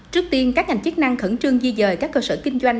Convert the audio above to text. trước tiên các ngành chức năng khẩn trương di dời các cơ sở kinh doanh